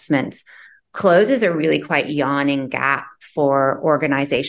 memutuskan sebuah gap yang sangat mengekalkan